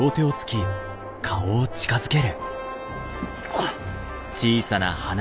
あっ！